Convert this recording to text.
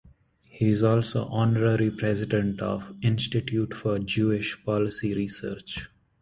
He is also Honorary President of the Institute for Jewish Policy Research.